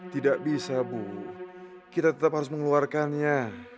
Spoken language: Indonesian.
tidak bisa bu kita tetap harus mengeluarkannya